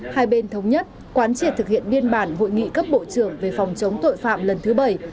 hai bên thống nhất quán triệt thực hiện biên bản hội nghị cấp bộ trưởng về phòng chống tội phạm lần thứ bảy